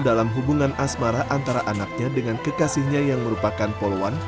dalam hubungan asmara antara anaknya dengan kekasihnya yang merupakan poluan